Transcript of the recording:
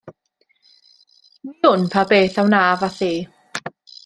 Ni wn pa beth a wnaf â thi.